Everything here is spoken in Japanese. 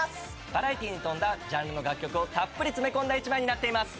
バラエティに富んだジャンルの楽曲をたっぷり詰め込んだ一枚になっています。